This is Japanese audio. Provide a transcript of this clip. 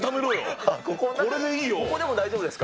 ここでも大丈夫ですか？